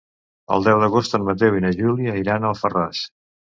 El deu d'agost en Mateu i na Júlia iran a Alfarràs.